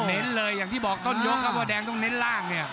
เน้นเลยอย่างที่บอกต้นยกครับว่าแดงต้องเน้นล่างเนี่ย